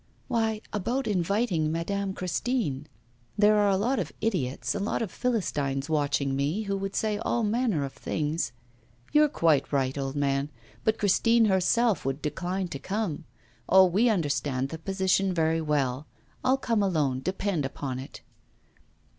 'Why, about inviting Madame Christine. There are a lot of idiots, a lot of philistines watching me, who would say all manner of things ' 'You are quite right, old man. But Christine herself would decline to come. Oh! we understand the position very well. I'll come alone, depend upon it.